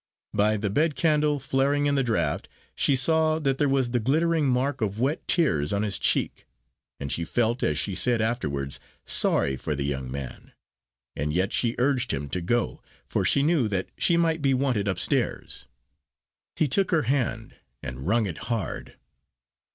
By the bed candle flaring in the draught, she saw that there was the glittering mark of wet tears on his cheek; and she felt, as she said afterwards, "sorry for the young man." And yet she urged him to go, for she knew that she might be wanted upstairs. He took her hand, and wrung it hard.